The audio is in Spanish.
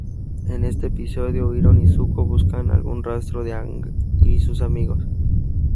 En este episodio, Iroh y Zuko buscan algún rastro de Aang y sus amigos.